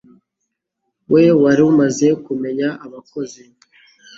We wari umaze kumenya abakozi